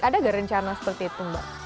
ada nggak rencana seperti itu mbak